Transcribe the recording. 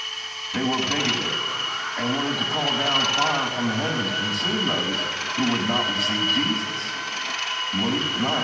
They were bigoted, and wanted to call down fire from Heaven to consume those who would not receive Jesus (Luke ix.